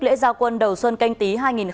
lễ giao quân đầu xuân canh tí hai nghìn hai mươi